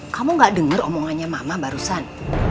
kamu gak denger omongannya mama barusan